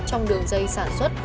trong đường dây sản xuất